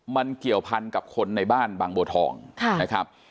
มันเกี่ยวพันกับคนในบ้านบางบัวทองนะครับ